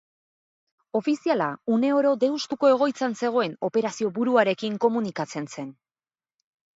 Ofiziala une oro Deustuko egoitzan zegoen operazioburuarekin komunikatzen zen.